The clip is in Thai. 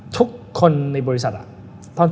ทุกคนในบริษัท